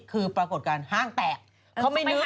คือปรากฏการณ์ห้างแตก